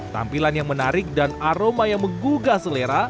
tampilan yang menarik dan aroma yang menggugah selera